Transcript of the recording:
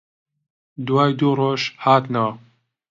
دوای دوو ڕۆژ هاتنەوە